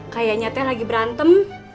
kayaknya teh lagi berantem